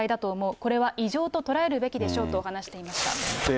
これは異常と捉えるべきでしょうと話していました。